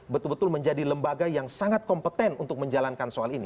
betul betul menjadi lembaga yang sangat kompeten untuk menjalankan soal ini